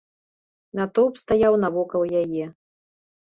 Натоўп стаяў навакол яе.